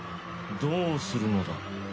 どうするのだ？